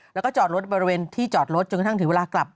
แล้วก็จอดรถบริเวณที่จอดรถจนกระทั่งถึงเวลากลับ